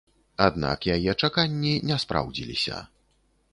Аднак яе чаканні не спраўдзіліся.